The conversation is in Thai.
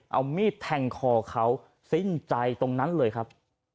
เอามีดแทงคอเขาสิ้นใจตรงนั้นเลยครับ